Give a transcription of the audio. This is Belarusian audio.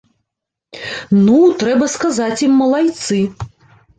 Ну, трэба сказаць ім малайцы!